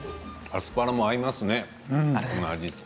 アスパラも合いますね。